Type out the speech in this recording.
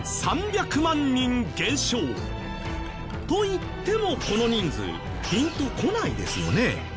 といってもこの人数ピンと来ないですよね？